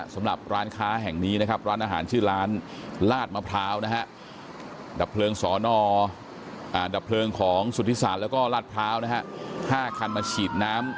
สำหรับร้านค้าแห่งนี้นะครับร้านอาหารชื่อร้านลาดมะพร้าวนะฮะ